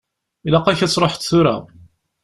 Ilaq-ak ad truḥeḍ tura?